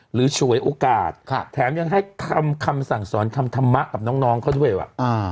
ฉวยโอกาสแถมยังให้คำสั่งสอนคำธรรมะกับน้องเขาด้วยว่ะ